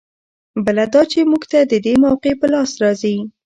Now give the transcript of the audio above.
بله دا چې موږ ته د دې موقعې په لاس راځي.